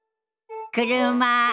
車。